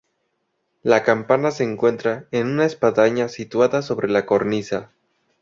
La campana se encuentra en una espadaña situada sobre la cornisa.